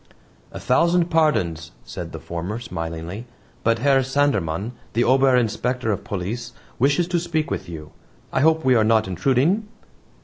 "A thousand pardons," said the former, smilingly, "but Herr Sanderman, the Ober Inspector of Police, wishes to speak with you. I hope we are not intruding?"